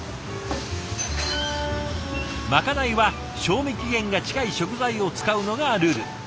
まかないは賞味期限が近い食材を使うのがルール。